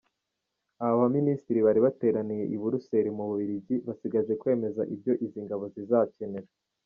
Aba baminisitiri bari bateraniye i Buruseli mu Bubiligi, basigaje kwemeza ibyo izi ngabo zizakenera.